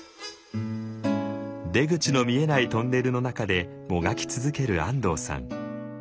出口の見えないトンネルの中でもがき続ける安藤さん。